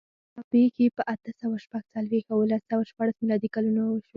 دا پېښې په اته سوه شپږ څلوېښت او لس سوه شپاړس میلادي کلونو وشوې.